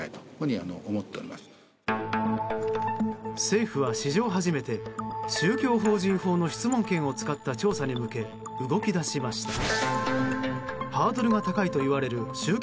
政府は、史上初めて宗教法人法の質問権を使った調査に向け動き出しました。